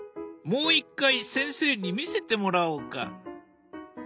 もう一回先生に見せてもらおうか。